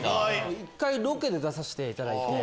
１回ロケで出させていただいて。